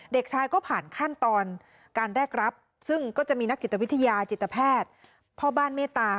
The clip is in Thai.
เด็กชายก็ผ่านขั้นตอนการแรกรับซึ่งก็จะมีนักจิตวิทยาจิตแพทย์พ่อบ้านเมตตา